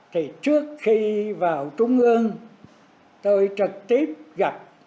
thì trước khi vào trung ương tôi trực tiếp gặp